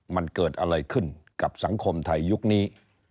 มันเกิดอะไรขึ้นกับสังคมไทยยุคนี้